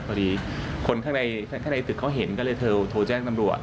พอดีคนข้างในข้างในตึกเขาเห็นก็เลยโทรแจ้งตำรวจ